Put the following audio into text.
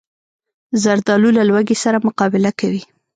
زردالو له لوږې سره مقابله کوي.